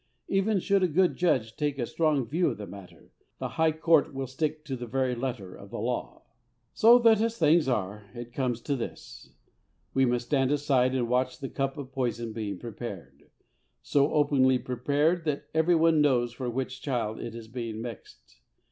_ Even should a good judge take a strong view of the matter, the High Court will stick to the very letter of the law." So that, as things are, it comes to this: We must stand aside and watch the cup of poison being prepared so openly prepared that everyone knows for which child it is being mixed.